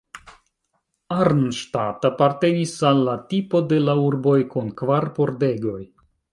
Arnstadt apartenis al la tipo de la urboj kun kvar pordegoj.